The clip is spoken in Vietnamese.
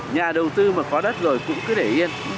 nhà đầu tư mà có đất rồi cũng cứ để yên